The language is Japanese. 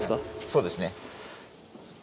そうですね。